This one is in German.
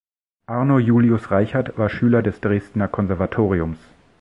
Arno Julius Reichert war Schüler des Dresdener Konservatoriums.